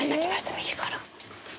右から。